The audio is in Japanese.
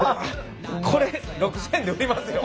これ６，０００円で売りますよ。